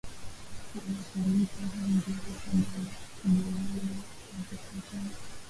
bwana felipe henry hapo jana kujiuzulu wadhifa huo